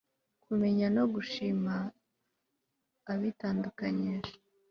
kumenya no gushimira abitandukanyije